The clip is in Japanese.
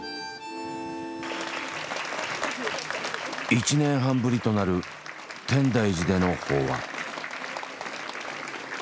１年半ぶりとなる天台寺での法話。